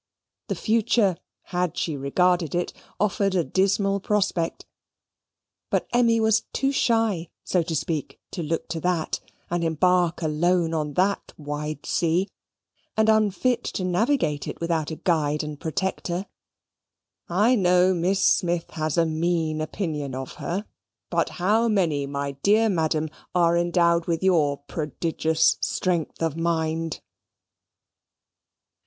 The future, had she regarded it, offered a dismal prospect; but Emmy was too shy, so to speak, to look to that, and embark alone on that wide sea, and unfit to navigate it without a guide and protector. I know Miss Smith has a mean opinion of her. But how many, my dear Madam, are endowed with your prodigious strength of mind?